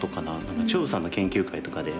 張栩さんの研究会とかで。